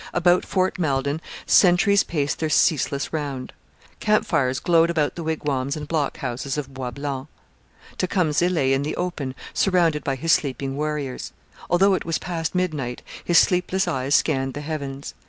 About Fort Malden sentries paced their ceaseless round. Camp fires glowed about the wigwams and blockhouses of Bois Blanc. Tecumseh lay in the open, surrounded by his sleeping warriors. Although it was past midnight, his sleepless eyes scanned the heavens.